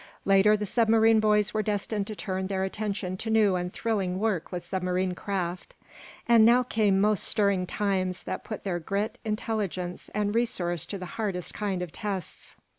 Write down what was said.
Later the submarine boys were destined to turn their attention to new and thrilling work with submarine craft And now came most stirring times that put their grit, intelligence and resource to the hardest kind of tests.